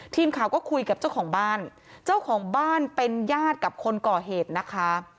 ทีมข่าวก็คุยกับเจ้าของบ้านเจ้าของบ้านเป็นญาติกับคนก่อเหตุนะคะ